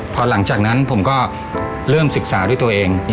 พอหลังจากนั้นผมก็เริ่มศึกษาด้วยตัวเอง